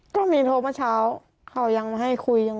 ก็มีโทรมาเช้าเขายังมาให้คุย